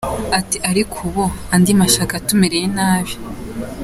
Ati ariko ubu, “andi mashyaka atumereye nabi”.